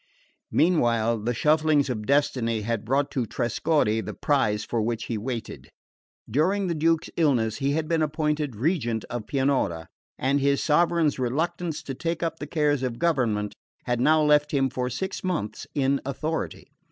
Meanwhile the shufflings of destiny had brought to Trescorre the prize for which he waited. During the Duke's illness he had been appointed regent of Pianura, and his sovereign's reluctance to take up the cares of government had now left him for six months in authority.